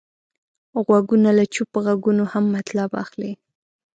غوږونه له چوپ غږونو هم مطلب اخلي